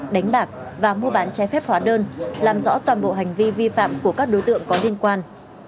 đánh bạc và mua bán trái phép hóa đơn làm rõ toàn bộ hành vi vi phạm của các đối tượng có liên quan